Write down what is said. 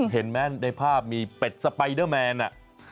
เห็นไหมในภาพมีเป็ดสไปเดอร์แมน